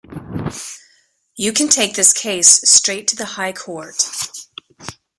You can take this case straight to the High Court.